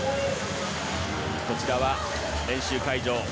こちらは練習会場。